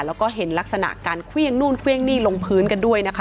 แล้วก็เห็นลักษณะการเครื่องนู่นเครื่องนี่ลงพื้นกันด้วยนะคะ